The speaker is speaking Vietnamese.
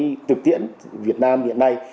nguyễn việt nam hiện nay